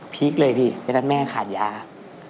คเลยพี่เพราะฉะนั้นแม่ขาดยา